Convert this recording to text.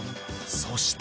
［そして］